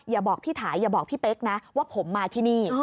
อย่าบอกพี่ถ่ายอย่าบอกพี่เป๊กนะว่าผมมาที่นี่